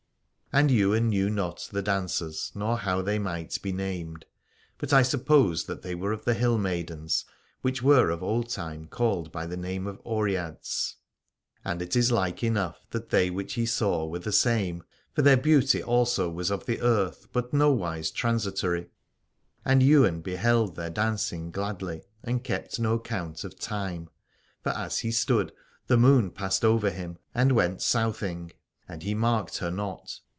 And Ywain knew not the dancers nor how they might be named : but I suppose that they were of the hill maidens, which were of old time called by the name of Oreads. And it is like enough that they which he saw were the same : for their beauty also was of the earth but nowise transitory. And Ywain beheld their dancing gladly and kept no count of time ; for as he stood the Moon passed over him and went Southing, and he marked her not.